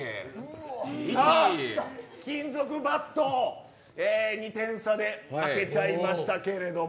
金属バット、２点差で負けちゃいましたけれども。